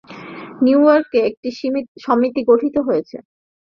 New ইয়র্কে একটি সমিতি গঠিত হয়েছে।